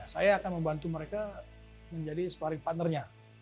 saya akan membantu mereka menjadi sparring partnernya